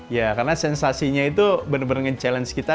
ya karena sensasinya itu benar benar nge challenge kita